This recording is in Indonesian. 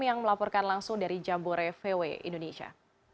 yang melaporkan langsung dari jambore vw indonesia